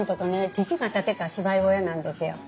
父が建てた芝居小屋なんですよ。